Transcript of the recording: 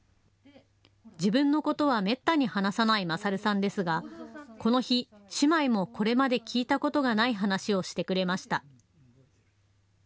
自分のことはめったに話さない賢さんですが、この日、姉妹もこれまで聞いたことがない話をしてくれました。